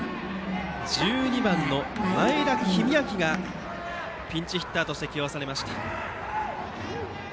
１２番の前田仁奏がピンチヒッターとして起用されました。